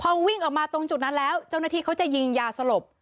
พอวิ่งออกมาตรงจุดนั้นแล้วเจ้าหน้าที่เขาจะยิงยาสลบ